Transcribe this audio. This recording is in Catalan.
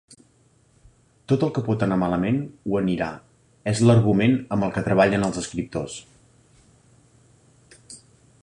"Tot el que pot anar malament, ho anirà" és l'argument amb el que treballen els escriptors.